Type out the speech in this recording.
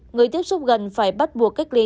người tiếp xúc gần phải bắt buộc cách ly